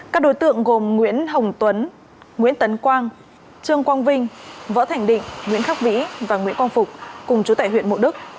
các đối tượng gồm nguyễn hồng tuấn nguyễn tấn quang trương quang vinh võ thành định nguyễn khắc vĩ và nguyễn quang phục cùng chú tại huyện mộ đức